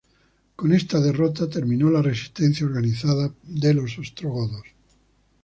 Con esta derrota terminó la resistencia organizada de los ostrogodos.